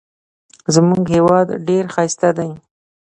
زموږ هیواد ډېر ښایسته دی.